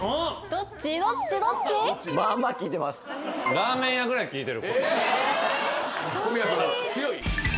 ラーメン屋ぐらいきいてる。